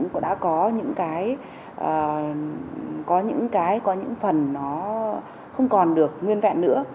cũng đã có những phần không còn được nguyên vẹn nữa